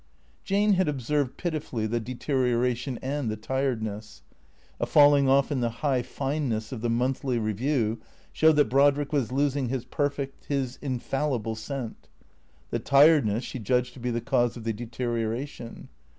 Jane had observed (pitifully) the deterioration and the tired ness. A falling off in the high fineness of the " Monthly Ee view " showed that Brodrick was losing his perfect, his infallible scent. The tiredness she judged to be the cause of the deteriora tion.